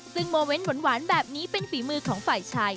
ซึ่งโมเมนต์หวานแบบนี้เป็นฝีมือของฝ่ายชาย